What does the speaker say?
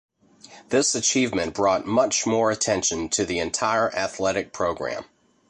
This achievement brought much more attention to the entire athletic program.